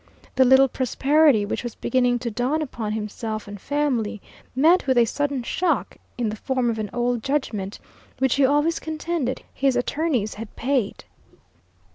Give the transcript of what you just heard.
The little prosperity which was beginning to dawn upon himself and family met with a sudden shock, in the form of an old judgment, which he always contended his attorneys had paid.